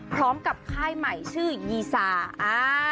พร้อมกับค่ายใหม่ชื่อยีซา